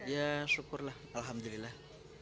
ya syukurlah alhamdulillah